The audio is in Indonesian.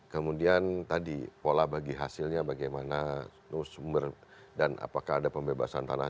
kemudian tadi pola bagi hasilnya bagaimana sumber dan apakah ada pembebasan tanah